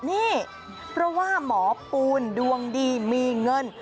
นี่เพราะว่าหมอปูนดวงดีมีเงิน